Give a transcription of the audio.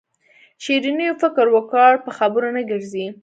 شیرینو فکر وکړ په خبرو نه ګرځي.